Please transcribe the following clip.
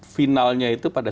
finalnya itu pada